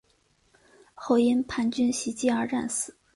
后因叛军袭击而战死。